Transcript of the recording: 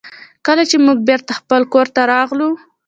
کله چې موږ بېرته خپل کور ته راغلو.